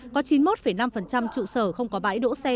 có chín mươi một năm trụ sở không có bãi đỗ xe